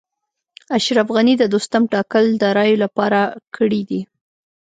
اشرف غني د دوستم ټاکل د رایو لپاره کړي دي